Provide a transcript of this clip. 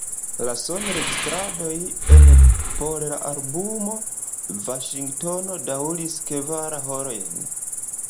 La sonregistradoj en por la albumo Vaŝingtono daŭris kvar horojn.